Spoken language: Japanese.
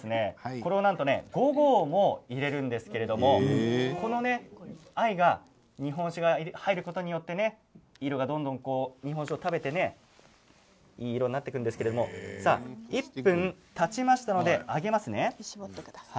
この中に５合も入れるんですけれどこの藍が日本酒が入ることによって色が、どんどん日本酒を食べていい色になってくるんですけれどぎゅっとしてください。